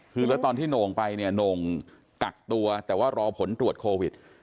คือแล้วตอนที่โหน่งไปเนี่ยโหน่งกักตัวแต่ว่ารอผลตรวจโควิด